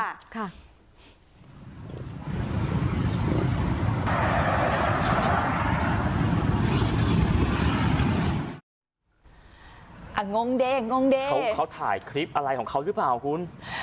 งงดิงงดิเขาถ่ายคลิปอะไรของเขาหรือเปล่าคุณ